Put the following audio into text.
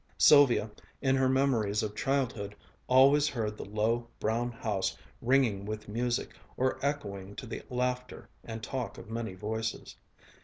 Sylvia, in her memories of childhood, always heard the low, brown house ringing with music or echoing to the laughter and talk of many voices.